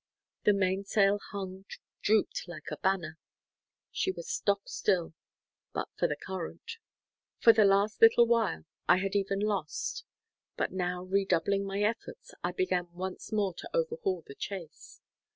The mainsail hung drooped like a banner. She was stock still, but for the current. For the last little while I had even lost; but now redoubling my efforts, I began once more to overhaul the chase.